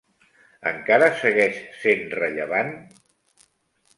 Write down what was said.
Encara segueix sent rellevant?